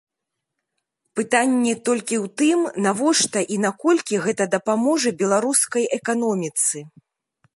Пытанне толькі ў тым, навошта і наколькі гэта дапаможа беларускай эканоміцы.